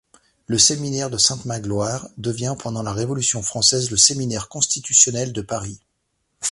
Le séminaire de Saint-Magloire devient pendant la Révolution française le séminaire constitutionnel de Paris.